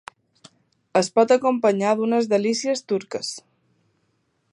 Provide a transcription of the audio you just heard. Es pot acompanyar d'unes delícies turques.